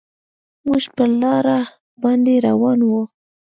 موږ پر لاره باندې روان وو.